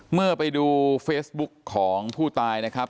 เมื่อไปดูเฟซบุ๊กของผู้ตายนะครับ